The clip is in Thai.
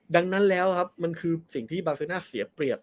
ดังนั้นแล้วครับมันคือสิ่งที่บาเซน่าเสียเปรียบ